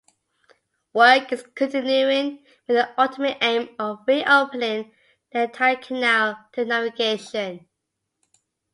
Work is continuing, with the ultimate aim of re-opening the entire canal to navigation.